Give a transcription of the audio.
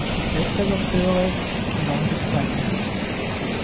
Die Chefredakteure der Landeszeitung